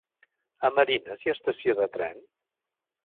A Marines hi ha estació de tren?